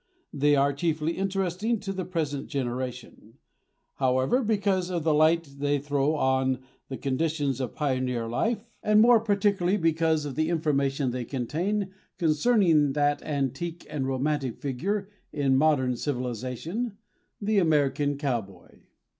They are chiefly interesting to the present generation, however, because of the light they throw on the conditions of pioneer life, and more particularly because of the information they contain concerning that unique and romantic figure in modern civilization, the American cowboy.